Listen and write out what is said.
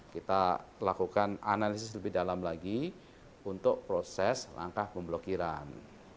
kita lakukan analisis lebih dalam lagi untuk proses langkah pemblokiran